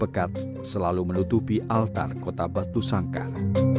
pekat selalu menutupi altar kota batu sangkar